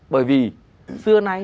bởi vì xưa nay